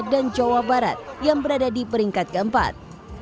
dan jawa barat yang berada di peringkat keempat